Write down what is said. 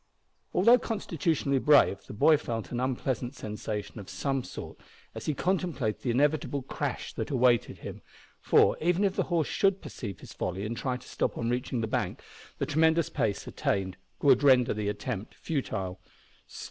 Although constitutionally brave, the boy felt an unpleasant sensation of some sort as he contemplated the inevitable crash that awaited him; for, even if the horse should perceive his folly and try to stop on reaching the bank, the tremendous pace attained would render the attempt futile.